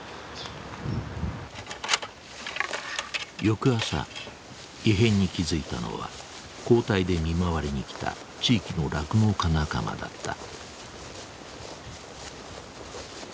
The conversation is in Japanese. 翌朝異変に気付いたのは交代で見回りに来た地域の酪農家仲間だった。